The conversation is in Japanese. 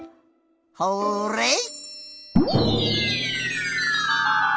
ホーレイ！